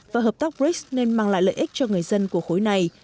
và hợp tác brics nên mang lại lợi ích cho người dân của khối này